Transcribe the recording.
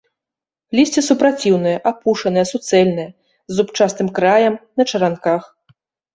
Лісце супраціўнае, апушанае, суцэльнае, з зубчастым краем, на чаранках.